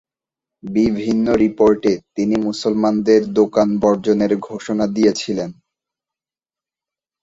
বিভিন্ন রিপোর্টে তিনি মুসলমানদের দোকান বর্জনের ঘোষণাদিয়েছিলেন।